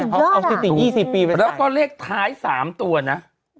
สุดยอดอ่ะสุดยอดอ่ะเอาสถิติ๒๐ปีไปต่างแล้วก็เลขท้าย๓ตัวนะ